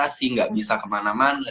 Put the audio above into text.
kita masih gak bisa kemana mana